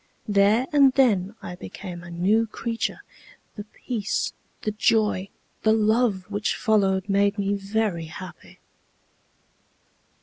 There and then I became a new creature. The peace, the joy, the love which followed made me very happy.